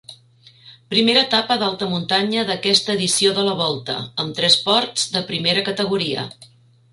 Primera etapa d'alta muntanya d'aquesta edició de la Volta, amb tres ports de primera categoria.